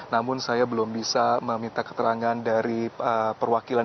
namun saya belum bisa meminta keterangan dari perwakilan